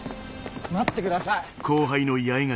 待ってください。